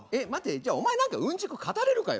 じゃお前何かうんちく語れるかよ！